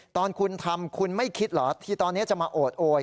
ตอนคุณทำคุณไม่คิดเหรอที่ตอนนี้จะมาโอดโอย